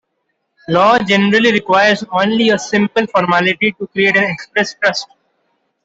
Law generally requires only a simple formality to create an express trust.